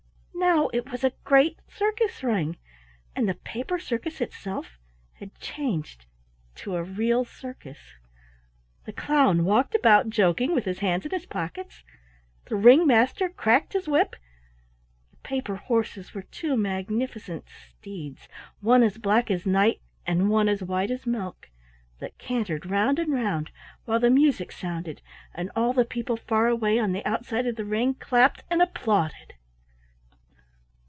Now it was a great circus ring, and the paper circus itself had changed to a real circus. The clown walked about, joking, with his hands in his pockets; the ring master cracked him whip; the paper horses were two magnificent steeds, one as black as night, and one as white as milk, that cantered round and round, while the music sounded, and all the people far away on the outside of the ring clapped and applauded.